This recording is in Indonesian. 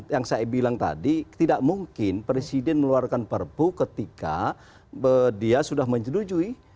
yang saya bilang tadi tidak mungkin presiden mengeluarkan perpu ketika dia sudah menjerujui